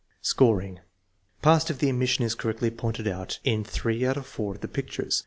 Scoring. Passed if the omission is correctly pointed out in threejiut of four of the pictures.